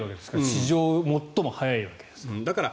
史上最も早いわけですから。